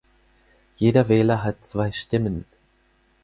Jeder Wähler hat zwei Stimmen.